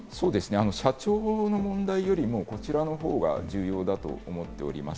社長の問題よりもこちらの方が重要だと思っております。